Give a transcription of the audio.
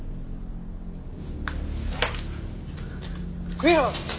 栗原！